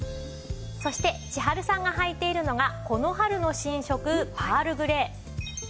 そして千春さんがはいているのがこの春の新色パールグレー。